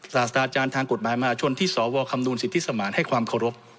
ศาสตราจารย์ทางกฎหมายมหาชนที่สวคำนวณสิทธิสมานให้ความเคารพ